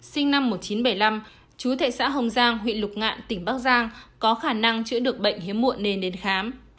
sinh năm một nghìn chín trăm bảy mươi năm chú thệ xã hồng giang huyện lục ngạn tỉnh bắc giang có khả năng chữa được bệnh hiếm muộn nên đến khám